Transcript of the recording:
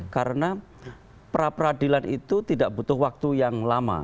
karena pra peradilan itu tidak butuh waktu yang lama